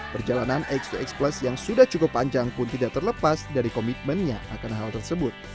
perjalanan x dua x plus yang sudah cukup panjang pun tidak terlepas dari komitmennya akan hal tersebut